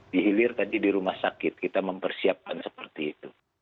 di hilir tadi di rumah sakit kita mempersiapkan seperti itu